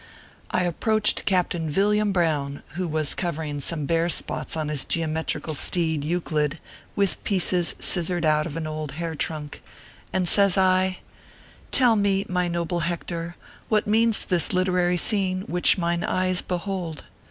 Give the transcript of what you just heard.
I approached Captain Villiam Brown, who was covering some bare spots on his geometrical steed Euclid, with pieces scissored out of an old hair trunk, and says I :" Tell me, my noble Hector, what means this literary scene which mine eyes behold